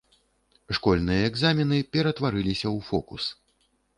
Школьныя экзамены ператварыліся ў фокус.